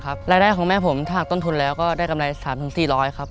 รายได้ของแม่ผมถ้าหากต้นทุนแล้วก็ได้กำไร๓๔๐๐ครับ